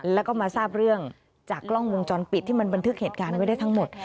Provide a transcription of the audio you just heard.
แล้วก็มาทราบเรื่องจากกล้องวงจรปิดที่มันบันทึกเหตุการณ์ไว้ได้ทั้งหมด